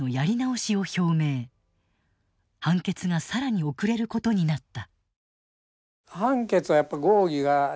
判決が更に遅れることになった。